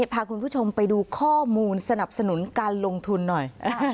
พาคุณผู้ชมไปดูข้อมูลสนับสนุนการลงทุนหน่อย